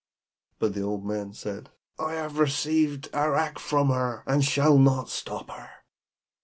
But the old man said, 'I have received arrack from her, and shall not stop her.'